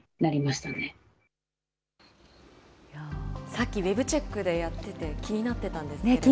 さっきウェブチェックでやってて、気になってたんですけれども。